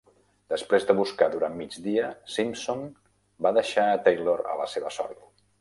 Després de buscar durant mig dia, Simpson va deixar a Taylor a la seva sort.